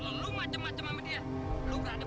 yaudah saya mau cabut